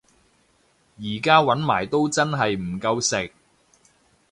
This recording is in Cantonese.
而家搵埋都真係唔夠食